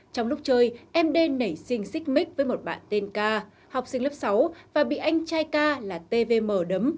trong lúc chơi md nảy sinh xích mít với một bạn tên k học sinh lớp sáu và bị anh trai k là tvm đấm